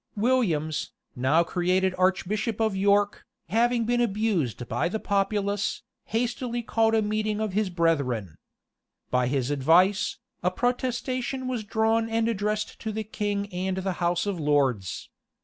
[] Williams, now created archbishop of York, having been abused by the populace, hastily called a meeting of his brethren. By his advice, a protestation was drawn and addressed to the king and the house of lords.